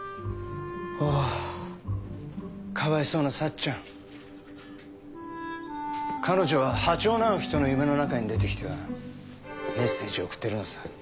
あぁかわいそうな幸ちゃん。彼女は波長の合う人の夢の中に出て来てはメッセージを送ってるのさ。